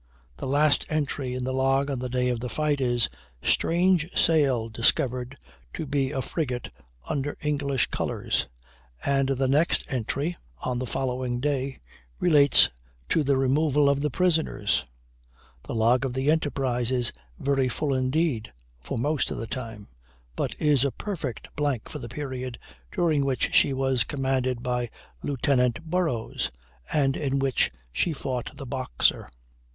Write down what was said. The last entry in the log on the day of the fight is "strange sail discovered to be a frigate under English colors," and the next entry (on the following day) relates to the removal of the prisoners. The log of the Enterprise is very full indeed, for most of the time, but is a perfect blank for the period during which she was commanded by Lieutenant Burrows, and in which she fought the Boxer.